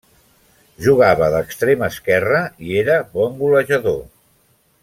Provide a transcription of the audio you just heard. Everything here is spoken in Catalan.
Jugava d'extrem esquerre, i era bon golejador.